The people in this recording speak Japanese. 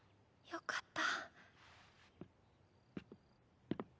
よかった。